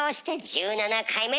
１７回目。